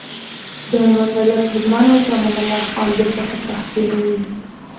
د المان دولت هوډمن و چې امان الله خان بیرته پر تخت کینوي.